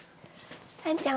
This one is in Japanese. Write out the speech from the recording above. さんちゃん